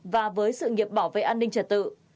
và với sự nghiệp bảo vệ an ninh trật tự